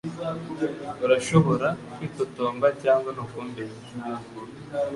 urashobora kwitotomba cyangwa nukumbesha